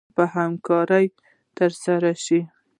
په همکارۍ ترسره شوې